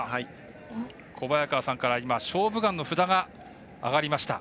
小早川さんから「勝負眼」の札が上がりました。